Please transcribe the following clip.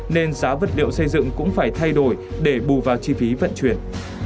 nên giá vật liệu xây dựng cũng phải thay đổi để bù vào chi phí vận chuyển